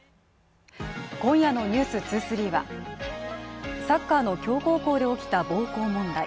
今夜の「ｎｅｗｓ２３」はサッカーの強豪校で起きた暴行問題。